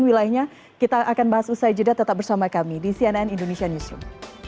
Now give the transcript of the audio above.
wilayahnya kita akan bahas usai jeda tetap bersama kami di cnn indonesia newsroom